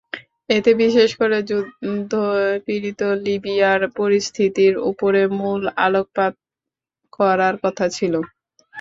এতে বিশেষ করে যুদ্ধপীড়িত লিবিয়ার পরিস্থিতির ওপরে মূল আলোকপাত করার কথা ছিল।